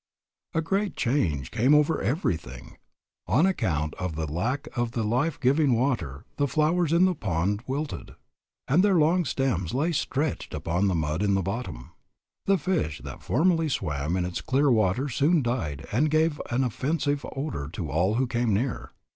A great change came over everything. On account of the lack of the life giving water the flowers in the pond wilted, and their long stems lay stretched upon the mud in the bottom. The fish that formerly swam in its clear water soon died and gave an offensive odor to all who came near.